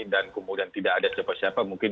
dan kemudian tidak ada siapa siapa mungkin